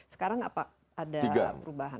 sekarang apa ada perubahan